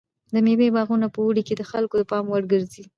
د مېوې باغونه په اوړي کې د خلکو د پام وړ ګرځي.